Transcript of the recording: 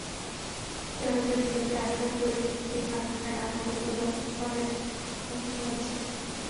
Saudi আরবের রিয়াদে আসবাব তৈরির একটি কারখানায় আগুন লেগে জানমালের ক্ষয়ক্ষতি হয়েছে।